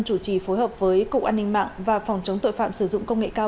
chủ trì phối hợp với cục an ninh mạng và phòng chống tội phạm sử dụng công nghệ cao